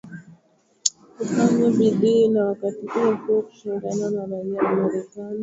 ufanya bidii na wakati uo huo kushauriana na raia wa marekani